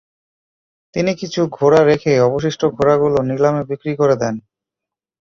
তিনি কিছু ঘোড়া রেখে অবশিষ্ট ঘোড়াগুলো নিলামে বিক্রি করে দেন।